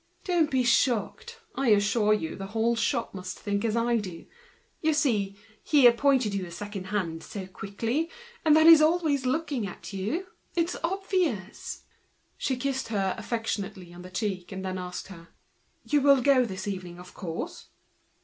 Don't be shocked; I assure you the whole shop must think as I do. Naturally! he appointed you as second hand so quickly, then he's always after you. It's obvious!" She kissed her affectionately, and then asked her: "You will go this evening, of course?"